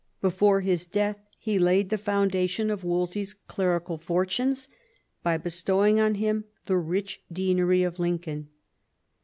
Before his death he laid the 22 THOMAS WOLSEY chap. foundation of Wolsey's clerical fortunes by bestowing on lum the rich deanery of Lincoln.